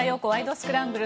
スクランブル」。